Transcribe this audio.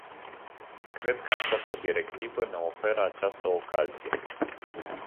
Cred că această directivă ne oferă această ocazie.